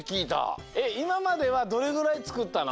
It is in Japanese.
いままではどれぐらいつくったの？